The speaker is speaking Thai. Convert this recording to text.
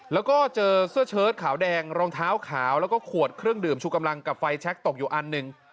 แล้วก็เจอเสื้อเชิดขาวแดงรองเท้าขาวแล้วก็ขวดเครื่องดื่มชูกำลังกับไฟแชคตกอยู่อันหนึ่ง